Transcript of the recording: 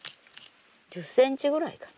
１０ｃｍぐらいかな